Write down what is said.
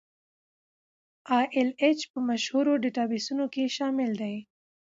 ای ایل ایچ په مشهورو ډیټابیسونو کې شامل دی.